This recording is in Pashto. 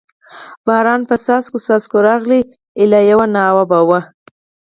باران په څاڅکو څاڅکو راغی، ایله یوه ناوه به و.